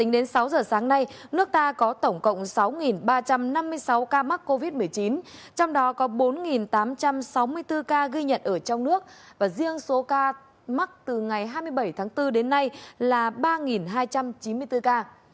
đến sáu giờ sáng nay nước ta có tổng cộng sáu ba trăm năm mươi sáu ca mắc covid một mươi chín trong đó có bốn tám trăm sáu mươi bốn ca ghi nhận ở trong nước và riêng số ca mắc từ ngày hai mươi bảy tháng bốn đến nay là ba hai trăm chín mươi bốn ca